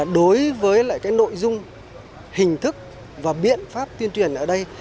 đối với lại cái nội dung hình thức và biện pháp tuyên truyền ở đây